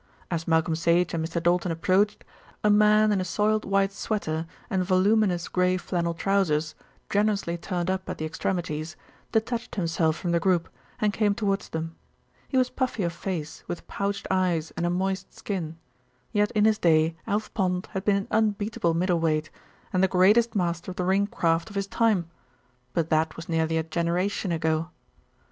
As Malcolm Sage and Mr. Doulton approached, a man in a soiled white sweater and voluminous grey flannel trousers, generously turned up at the extremities, detached himself from the group and came towards them. He was puffy of face, with pouched eyes and a moist skin; yet in his day Alf Pond had been an unbeatable middle weight, and the greatest master of ring craft of his time; but that was nearly a generation ago.